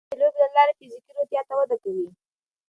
ماشومان د لوبو له لارې د فزیکي روغتیا وده کوي.